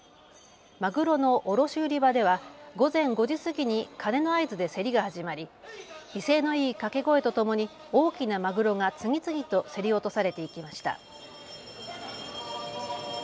マグロの卸売り場では午前５時過ぎに鐘の合図で競りが始まり威勢のいい掛け声とともに大きなマグロが次々と競り落とされていきました。